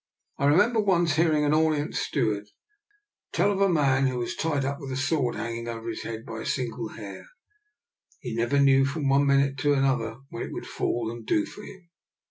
I remember once hearing an Orient steward tell of a man who was tied up with a sword hang ing over his head by a single hair: he never knew from one minute to another when it would fall and do for him.